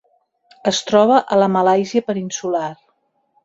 Es troba a la Malàisia peninsular.